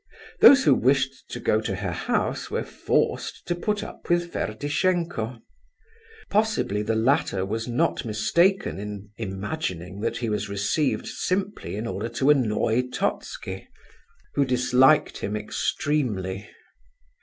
Those who wished to go to her house were forced to put up with Ferdishenko. Possibly the latter was not mistaken in imagining that he was received simply in order to annoy Totski, who disliked him extremely.